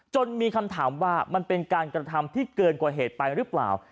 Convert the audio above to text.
มีคำถามว่ามันเป็นการกระทำที่เกินกว่าเหตุไปหรือเปล่า